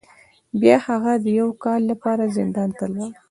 بیا هغه د یو کال لپاره زندان ته لاړ.